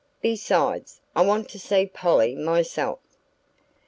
Besides, I want to see Polly myself."